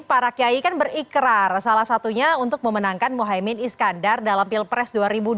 pak kiai kan berikrar salah satunya untuk memenangkan mohaimin iskandar dalam pilpres dua ribu dua puluh